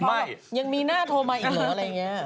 ไม่มีหน้าโทรมาอีกอะไรอย่างนี้